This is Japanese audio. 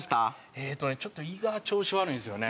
えーっとねちょっと胃が調子悪いんですよね。